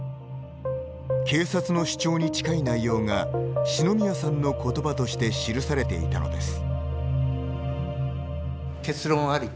警察の主張に近い内容が四ノ宮さんの言葉として記されていたのです。